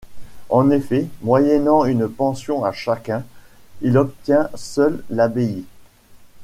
En effet, moyennant une pension à chacun, il obtient seul l’abbaye.